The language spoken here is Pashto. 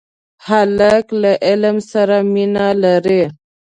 هلک له علم سره مینه لري.